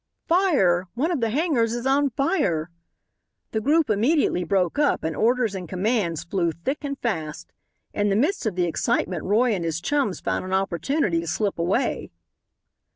"Fire! One of the hangars is on fire!" The group immediately broke up and orders and commands flew thick and fast. In the midst of the excitement Roy and his chums found an opportunity to slip away.